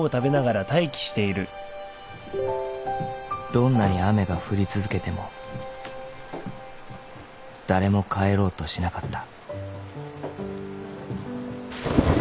［どんなに雨が降り続けても誰も帰ろうとしなかった］